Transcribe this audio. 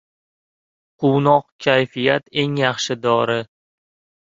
• Quvnoq kayfiyat ― eng yaxshi dori.